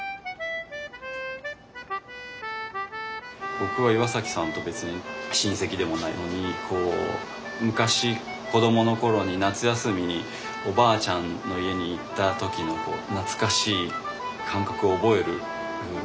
僕は岩さんと別に親戚でもないのにこう昔子どもの頃に夏休みにおばあちゃんの家に行った時の懐かしい感覚を覚える。